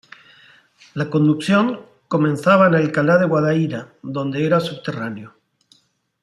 La conducción comenzaba en Alcalá de Guadaíra, donde era subterráneo.